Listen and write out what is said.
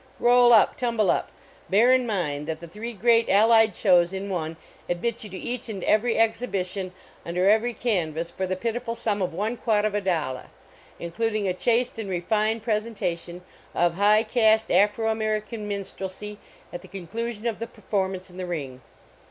Roll up, tumble up! Bear in mind that the three great allied shows in one admit you to each and every exhibition under every can vas for the pitiful sum of one quatovadollah, including a chaste and refined presentation of high caste Afro American minstrelsy at the conclusion of the performance in the ring.